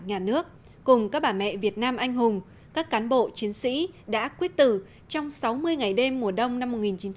nhà nước cùng các bà mẹ việt nam anh hùng các cán bộ chiến sĩ đã quyết tử trong sáu mươi ngày đêm mùa đông năm một nghìn chín trăm bảy mươi